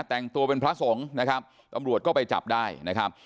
แต่งตัวเป็นพระสงฆ์นะครับตำรวจก็ไปจับได้นะครับ